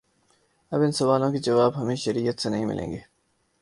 اب ان سوالوں کے جواب ہمیں شریعت سے نہیں ملیں گے۔